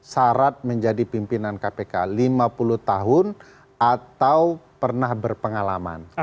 syarat menjadi pimpinan kpk lima puluh tahun atau pernah berpengalaman